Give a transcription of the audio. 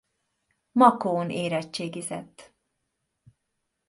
Makón érettségizett.